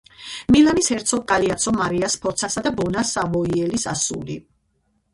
მილანის ჰერცოგ გალეაცო მარია სფორცასა და ბონა სავოიელის ასული.